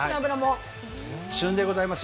今が旬でございます。